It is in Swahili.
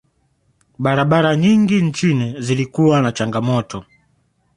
barabara nyingi nchini zilikuwa na changamoto